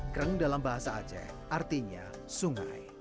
kreng dalam bahasa aceh artinya sungai